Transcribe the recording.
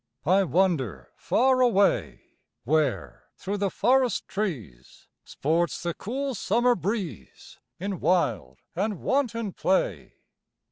I wander far away, Where, through the forest trees, Sports the cool summer breeze, In wild and wanton play.